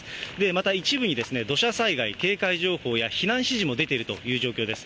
また一部に土砂災害警戒情報や避難指示も出ているという状況です。